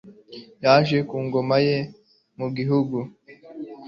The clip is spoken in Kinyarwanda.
yaje ku ngoma ye mu gihugu